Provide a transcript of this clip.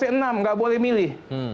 tidak boleh milih